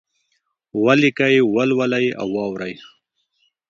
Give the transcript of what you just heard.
ولیکئ، ولولئ او واورئ!